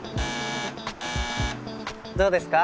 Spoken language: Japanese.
どうですか？